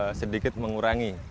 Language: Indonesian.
itu sedikit mengurangi